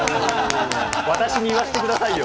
私に言わせてくださいよ。